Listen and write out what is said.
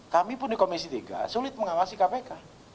kami pun di komisi tiga sulit mengawasi kpk